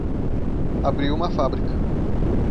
Abriu uma fábrica